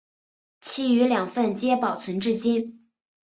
其余两份皆保存至今。